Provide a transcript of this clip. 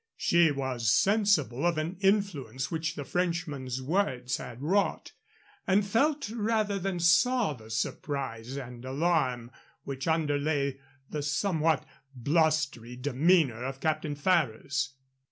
She was sensible of an influence which the Frenchman's words had wrought, and felt rather than saw the surprise and alarm which underlay the somewhat blustery demeanor of Captain Ferrers.